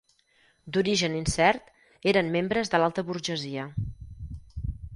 D'origen incert, eren membres de l'alta burgesia.